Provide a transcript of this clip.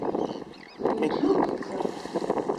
لە یوتیوب دیتم